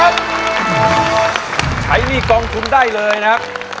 ใช้นี่กองทุนได้เลยนะ